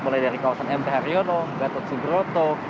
mulai dari kawasan mp haryono datuk subroto